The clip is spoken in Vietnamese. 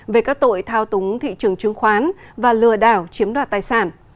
về các tội thao túng thị trường chứng khoán và lừa đảo chiếm đoạt tài sản